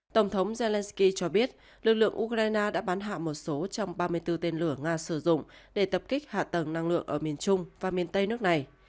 tổng thống zelensky cho biết lực lượng ukraine đã bắn hạ một số trong ba mươi bốn tên lửa nga sử dụng để tập kích hạ tầng năng lượng ở miền trung và miền tây nước này